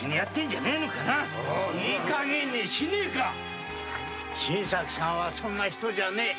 いい加減にしねえか新作さんはそんな人じゃねえ。